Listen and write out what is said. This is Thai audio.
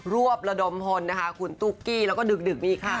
วบระดมพลนะคะคุณตุ๊กกี้แล้วก็ดึกนี่ค่ะ